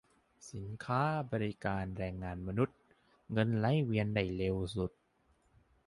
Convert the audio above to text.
สินค้า บริการ แรงงานมนุษย์ เงินไหลเวียนได้เร็วสุด